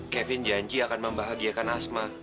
kevin janji akan membahagiakan asma